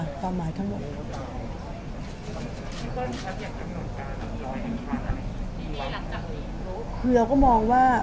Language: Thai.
พี่ป้นครับอยากจำนวนการทำร้อยของความหมายของคุณหลังจากนี้